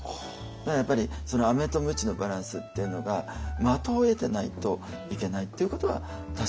だからやっぱりそのアメとムチのバランスっていうのが的を射てないといけないっていうことは確かにあるかも分かりません。